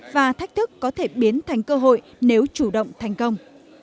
và thách thức có thể biến thành cơ hội nếu chủ động thành công